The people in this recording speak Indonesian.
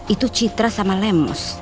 itu citra sama lemus